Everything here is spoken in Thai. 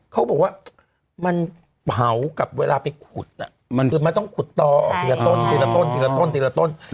เขาบอกว่ามันเผากับเวลาไปขุดคือมันต้องขุดต่อออกติดละต้น